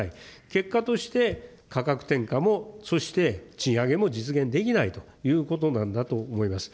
結果として、価格転嫁も、そして賃上げも実現できないということなんだと思います。